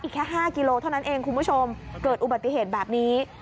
แค่๕กิโลเท่านั้นเองคุณผู้ชมเกิดอุบัติเหตุแบบนี้